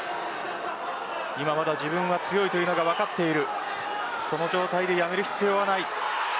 今まだ自分が強いというのが分かっているその状態で辞める必要はない。